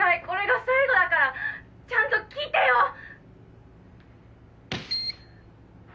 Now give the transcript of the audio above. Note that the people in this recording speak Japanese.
これが最後だからちゃんと聞いてよ！